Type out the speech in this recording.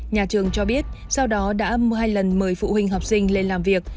nhà trường cho biết sau đó đã mua hai lần mời phụ huynh học sinh lên làm việc